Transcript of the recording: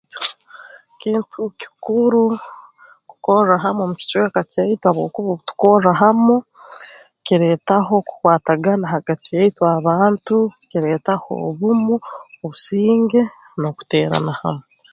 Kintu kikuru kukorra hamu omu kicweka kyaitu habwokuba obu tukorra hamu kireetaho kukwatagana hagati yaitu abantu kireetaho obumu obusinge n'okuteerana hamu